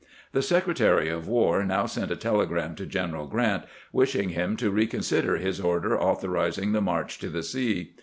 The Sec retary of War now sent a telegram to General Grant, wishing him to reconsider his order authorizing the march to the sea.